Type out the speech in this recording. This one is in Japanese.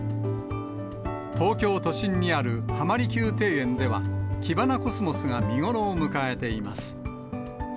東京都心にある浜離宮庭園では、キバナコスモスが見頃を迎えています。